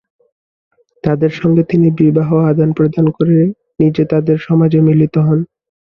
তাদের সঙ্গে তিনি বিবাহ আদান প্রদান করে নিজে তাদের সমাজে মিলিত হন।